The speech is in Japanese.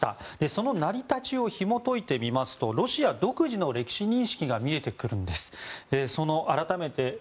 その成り立ちをひも解いていきますとロシア独自の歴史認識が見えてくるんです。